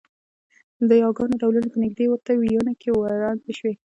د یاګانو ډولونه په نږدې ورته وییونو کې وړاندې شوي